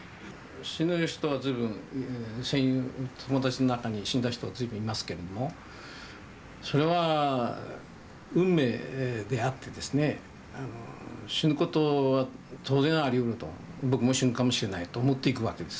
死ぬ人は随分戦友友達の中に死んだ人随分いますけれどもそれは運命であってですね死ぬことは当然ありうると僕も死ぬかもしれないと思って行くわけです。